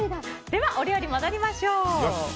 では、お料理に戻りましょう。